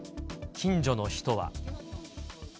近所の人は。